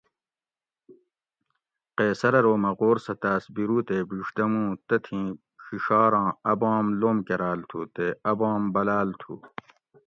قیصر ارو مہ غور سہ تاۤس بیرو تے بِڛدموں تتھیں ڛِڛاراں اۤ بام لوم کراۤل تھو تے اۤ بام بلاۤل تھو